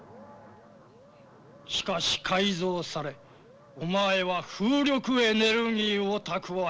しかし改造されお前は風力エネルギーを蓄えた。